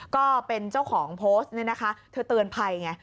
ก็เป็นเจ้าของโพสต์นี่นะคะเธอเตือนภัยไง